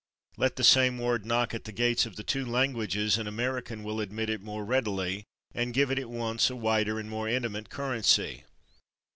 Let the same [Pg153] word knock at the gates of the two languages, and American will admit it more readily, and give it at once a wider and more intimate currency.